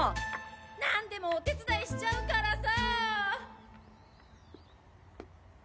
何でもお手伝いしちゃうからさ！